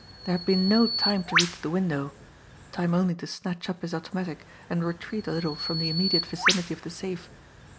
There had been no time to reach the window time only to snatch up his automatic and retreat a little from the immediate vicinity of the safe.